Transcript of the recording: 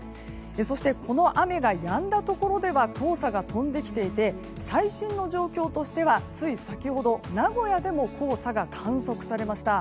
そしてこの雨がやんだところでは黄砂が飛んできていて最新の状況としてはつい先ほど、名古屋でも黄砂が観測されました。